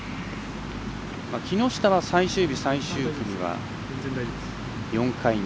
木下は最終日、最終組は４回目。